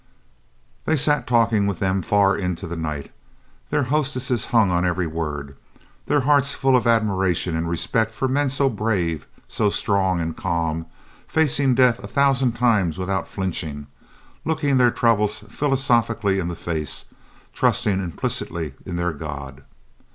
They sat talking with them far into the night, their hostesses hung on every word, their hearts full of admiration and respect for men so brave, so strong and calm, facing death a thousand times without flinching, looking their troubles philosophically in the face, trusting implicitly in their God.